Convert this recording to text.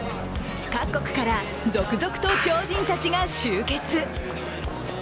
各国から続々と超人たちが集結。